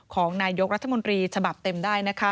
ของนายกรัฐมนตรีฉบับเต็มได้นะคะ